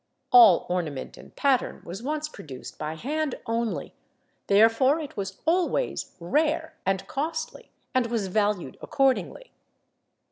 All ornament and pattern was once produced by hand only, therefore it was always rare and costly and was valued accordingly.